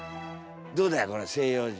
どうだいこの西洋人。